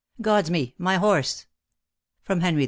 Godsme, my horse I Henry IV.